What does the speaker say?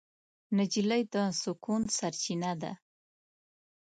نجلۍ د سکون سرچینه ده.